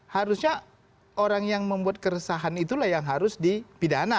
harusnya orang yang membuat keresahan itulah yang harus dipidana